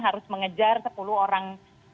harus mengejar sepuluh orang